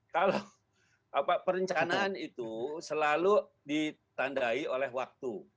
kalau perencanaan itu selalu ditandai oleh waktu